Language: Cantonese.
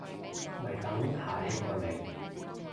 咪等下一個嚟